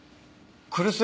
来栖